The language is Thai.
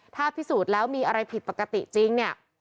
ถ้าพิสูจน์แล้วมีอะไรผิดปกติจริงเนี่ย